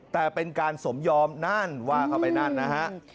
แต่เป็นการสมยอมนั่นว่าเข้าไปนั่นนะฮะ